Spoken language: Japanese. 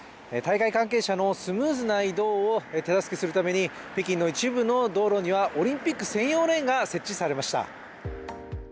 大会関係者のスムーズな移動を手助けするために北京の一部の道路にはオリンピック専用レーンが設置されました。